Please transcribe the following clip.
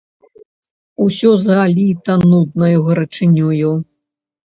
Усё заліта нуднаю гарачынёю.